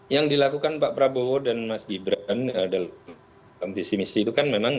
yang dilakukan pak prabowo dan mas gibran dalam visi misi itu kan memang